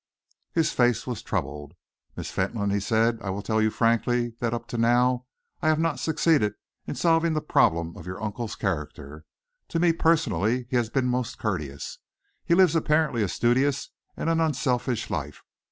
His face was troubled. "Miss Fentolin," he said, "I will tell you frankly that up to now I have not succeeded in solving the problem of your uncle's character. To me personally he has been most courteous. He lives apparently a studious and an unselfish life.